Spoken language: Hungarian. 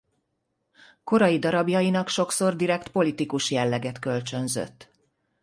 Korai darabjainak sokszor direkt politikus jelleget kölcsönzött.